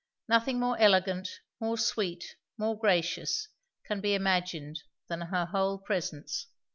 Nothing more elegant, more sweet, more gracious can be imagined, than her whole presence.